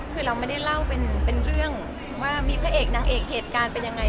คือเราไม่ได้เล่าเป็นเรื่องว่ามีพระเอกนางเอกเหตุการณ์เป็นยังไง